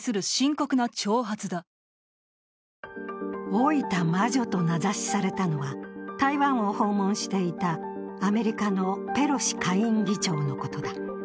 老いた魔女と名指しされたのは、台湾を訪問していたアメリカのペロシ下院議長のことだ。